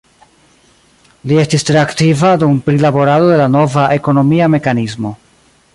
Li estis tre aktiva dum prilaborado de la nova ekonomia mekanismo.